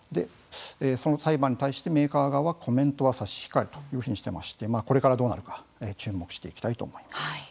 その裁判に対してメーカー側は「コメントは差し控える」というふうにしていましてこれからどうなるか注目していきたいと思います。